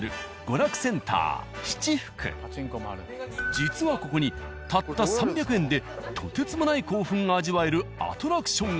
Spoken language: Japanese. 実はここにたった３００円でとてつもない興奮が味わえるアトラクションが。